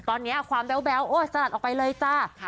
ตอนนี้ความแบ๊วโอ๊ยสลัดออกไปเลยจ้า